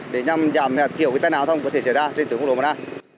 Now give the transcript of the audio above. để nhằm giảm hiểu cái tài nào thông có thể trở ra trên tuyến quốc lộ một a